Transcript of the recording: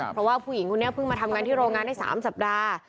เพราะว่าผู้หญิงคนนี้เพิ่งมาทำงานที่โรงงานได้๓สัปดาห์